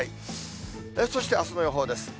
そしてあすの予報です。